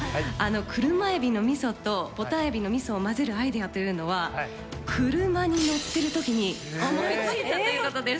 車海老の味噌とぼたん海老の味噌を混ぜるアイデアというのは車に乗ってる時に思いついたということです。